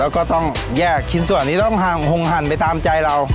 แล้วก็ต้องแยกชิ้นส่วนนี้ต้องหั่นไปตามใจเรา